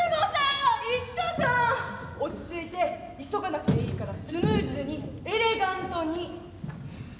落ち着いて急がなくていいからスムーズにエレガントに。